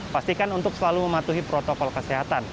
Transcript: pastikan untuk selalu mematuhi protokol kesehatan